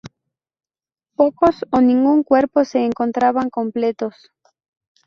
Pocos o ningún cuerpo se encontraban completos.